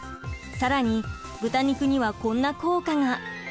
更に豚肉にはこんな効果が。